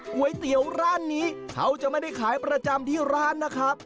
ก๋วยเตี๋ยวร้านนี้เขาจะไม่ได้ขายประจำที่ร้านนะครับ